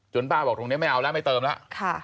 ป้าบอกตรงนี้ไม่เอาแล้วไม่เติมแล้ว